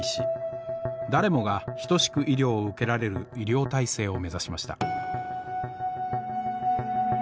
誰もがひとしく医療を受けられる医療体制を目指しました。